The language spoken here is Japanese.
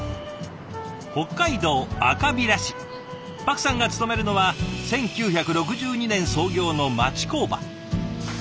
パクさんが勤めるのは１９６２年創業の町工場。